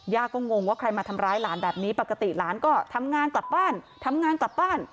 ก็งงว่าใครมาทำร้ายหลานแบบนี้ปกติหลานก็ทำงานกลับบ้านทำงานกลับบ้าน